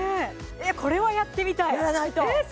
これはやってみたいえー